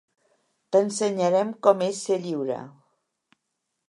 T'ensenyarem com és ser lliure.